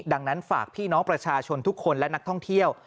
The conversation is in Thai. ดังนั้นฝากพี่น้องประชาชนทุกคนและนักท่องเที่ยว